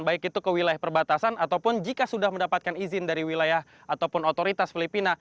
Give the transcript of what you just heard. baik itu ke wilayah perbatasan ataupun jika sudah mendapatkan izin dari wilayah ataupun otoritas filipina